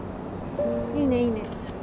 いいねいいね。